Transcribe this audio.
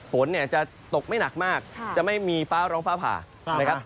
ฝนเนี่ยจะตกไม่หนักมากจะไม่มีฟ้าร้องฟ้าผ่านะครับ